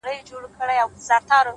• دا به نو حتمي وي کرامت د نوي کال؛